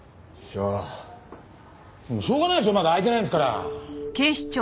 しょうがないでしょまだ開いてないんですから。